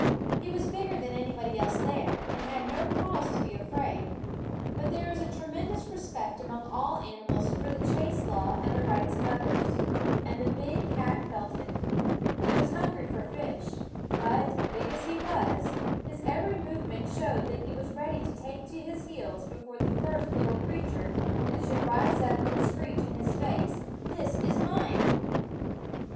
He was bigger than / aQQf/es ffie anybody else there, and had no cause to be afraid; but there is a tremendous respect among all animals for the chase law and the rights of others; and the big cat felt it. He was hungry for fish ; but, big as he was, his every movement showed that he was ready to take to his heels before the first little crea ture that should rise up and screech in his face :" This is mine